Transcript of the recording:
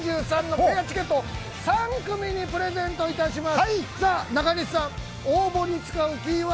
ペアチケット、３組にプレゼントいたします。